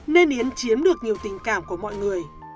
nên yến chiếm được nhiều tình cảm của mọi người